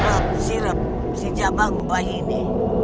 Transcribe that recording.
rok sirap si jabang bahine